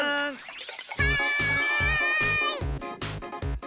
はい！